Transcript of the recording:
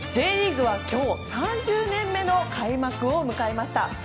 Ｊリーグは今日３０年目の開幕を迎えました。